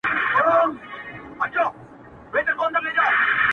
• د ځان په ویر یم غلیمانو ته اجل نه یمه -